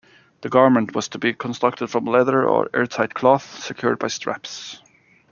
The garment was to be constructed from leather or airtight cloth, secured by straps.